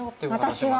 私は。